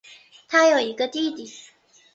她有一个弟弟。